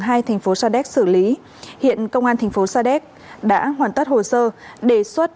ngay thành phố sadek xử lý hiện công an thành phố sadek đã hoàn tất hồ sơ đề xuất